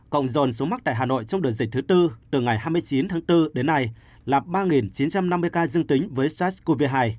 cộng dồn số mắc tại hà nội trong đợt dịch thứ tư từ ngày hai mươi chín tháng bốn đến nay là ba chín trăm năm mươi ca dương tính với sars cov hai